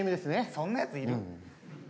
そんなやついる？